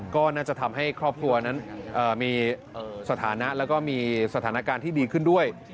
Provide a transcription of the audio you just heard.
ก็น่าจะทำให้ครอบครัวนั้นมีสถานะแล้วก็มีสถานการณ์ที่ดีขึ้นด้วย